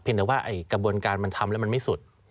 แต่ว่ากระบวนการมันทำแล้วมันไม่สุด